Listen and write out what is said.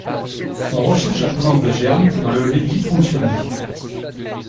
On recherche la présence de germes dans le liquide ponctionné.